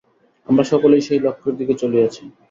আমরা সকলেই সেই লক্ষ্যের দিকে চলিয়াছি।